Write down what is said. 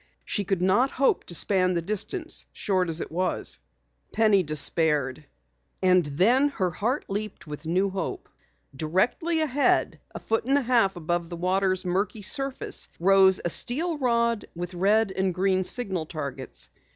She could not hope to span the distance, short though it was. Penny despaired. And then her heart leaped with new hope. Directly ahead, a foot and a half above the water's murky surface, rose a steel rod with red and green signal targets.